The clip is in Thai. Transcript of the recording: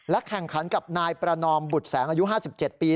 และแข่งขันกับนายประนอมบุษเสงอายุห้าสิบเจ็ดปี